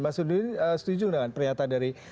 masudin setuju dengan pernyataan dari